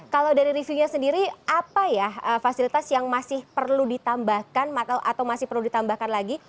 kalau dari review nya sendiri apa ya fasilitas yang masih perlu ditambahkan atau masih perlu ditambahkan lagi